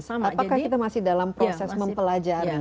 apakah kita masih dalam proses mempelajari